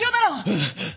うん！